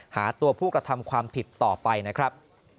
หาตัวผู้กระทำความผิดต่อไปนะครับ